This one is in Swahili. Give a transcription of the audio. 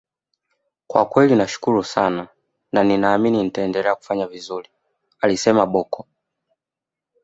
kwa kweli nashukuru sana na ninaamini nitaendelea kufanya vizuri alisema Bocco